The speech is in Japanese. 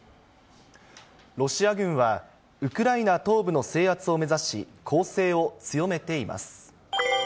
ロシア軍は、ウクライナ東部の制圧を目指し、攻勢を強めています。